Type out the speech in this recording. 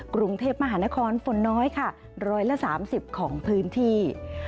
กรุงเทพมหานครฝนน้อยค่ะ๑๓๐ของพื้นที่